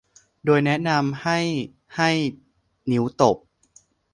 โดยแนะนำให้ให้นิ้วตบ